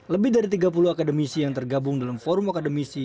lebih dari tiga puluh akademisi yang tergabung dalam forum akademisi